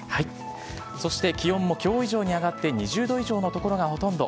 そして、気温もきょう以上に上がって２０度以上の所がほとんど。